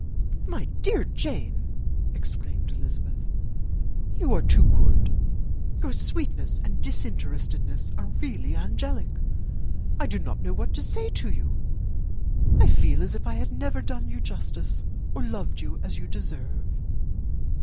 "My dear Jane," exclaimed Elizabeth, "you are too good. Your sweetness and disinterestedness are really angelic; I do not know what to say to you. I feel as if I had never done you justice, or loved you as you deserve."